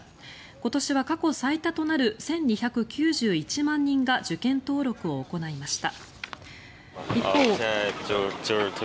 今年は過去最多となる１２９１万人が受験登録を行いました。